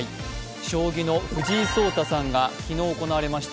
将棋の藤井聡太さんが昨日行われました